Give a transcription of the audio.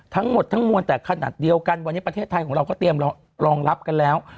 ทั้งหมดทั้งมวลแต่ขนาดเดียวกันวันนี้ประเทศไทยของเราก็เตรียมรองรับกันแล้ว